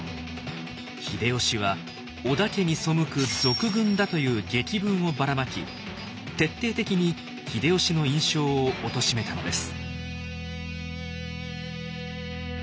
秀吉は織田家に背く賊軍だという檄文をばらまき徹底的に秀吉の印象をおとしめたのです。